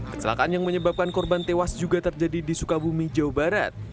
kecelakaan yang menyebabkan korban tewas juga terjadi di sukabumi jawa barat